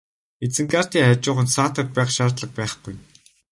Изенгардын хажууханд саатаад байх шаардлага байхгүй.